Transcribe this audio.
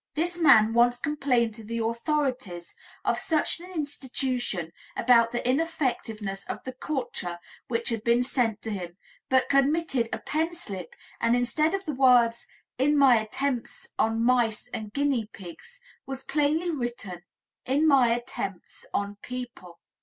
This man once complained to the authorities of such an institution about the ineffectiveness of the culture which had been sent to him, but committed a pen slip and instead of the words, "in my attempts on mice and guinea pigs," was plainly written, "in my attempts on people."